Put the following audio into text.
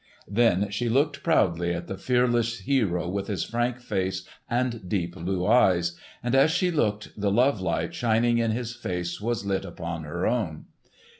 Then she looked proudly at the fearless hero with his frank face and deep blue eyes; and as she looked the love light shining in his face was lit upon her own.